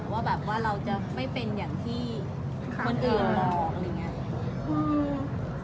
ว่าเราจะไม่เป็นอย่างที่คนอื่นบอก